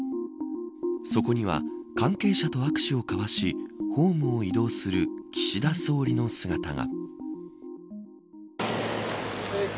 そこには関係者と握手を交わしホームを移動する岸田総理の姿が。